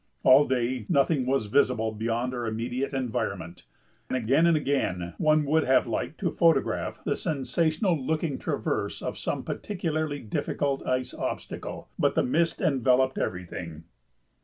All day nothing was visible beyond our immediate environment. Again and again one would have liked to photograph the sensational looking traverse of some particularly difficult ice obstacle, but the mist enveloped everything.